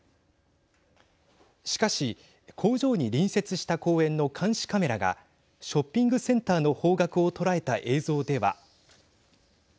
しかし、工場に隣接した公園の監視カメラがショッピングセンターの方角を捉えた映像では。